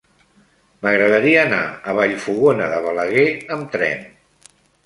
M'agradaria anar a Vallfogona de Balaguer amb tren.